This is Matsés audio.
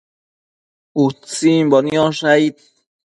Utsimbo niosh aid